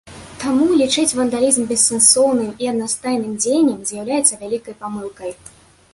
Таму лічыць вандалізм бессэнсоўным і аднастайным дзеяннем з'яўляецца вялікай памылкай.